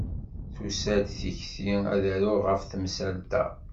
Tusa-d tikti ad d-aruɣ ɣef temsalt-a.